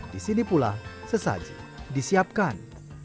di sini pula sesaji disiapkan